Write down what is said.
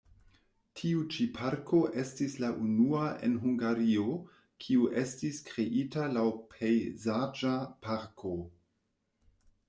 Tiu ĉi parko estis la unua en Hungario, kiu estis kreita laŭ pejzaĝa parko.